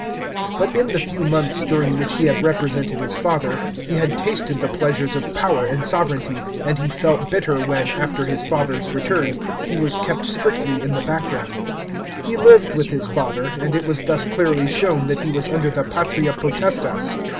But in the lew months during which he had represented his father he had tasted Domitian (from the btatue at Munich). / the pleasures of power and sovranty, and he felt bitter when, after his father's return, he was kept strictly in the background. He lived with his father, and it was thus clearly shown that he was under the patria p otestas.